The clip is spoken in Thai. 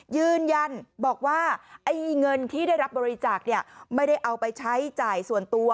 ยืนยันบอกว่าไอ้เงินที่ได้รับบริจาคไม่ได้เอาไปใช้จ่ายส่วนตัว